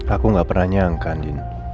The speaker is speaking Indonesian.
aku gak pernah nyangka andin